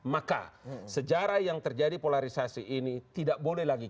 maka sejarah yang terjadi polarisasi ini tidak boleh lagi